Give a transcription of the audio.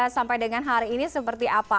sampai dengan hari ini seperti apa